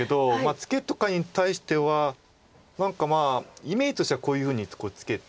ツケとかに対しては何かイメージとしてはこういうふうにツケて。